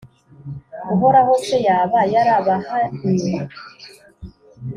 Uhoraho se yaba yarabahannye,